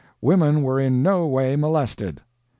Women were in no way molested."